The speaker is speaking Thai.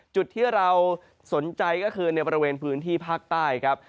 จุดที่เราสนใจก็คือในบริเวณพื้นที่ภาคใต้ครับ